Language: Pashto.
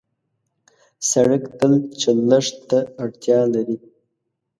سړک تل چلښت ته اړتیا لري.